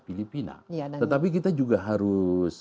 filipina tetapi kita juga harus